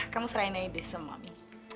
kamu serahin aja deh sama mami